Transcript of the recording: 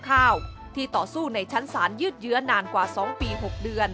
ข้าวที่ต่อสู้ในชั้นสารยืดเยื้อนานกว่าสองปีหก